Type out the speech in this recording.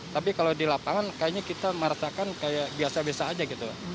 tapi kalau di lapangan kayaknya kita merasakan kayak biasa biasa aja gitu